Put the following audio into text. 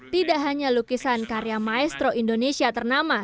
tidak hanya lukisan karya maestro indonesia ternama